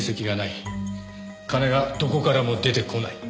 金がどこからも出てこない。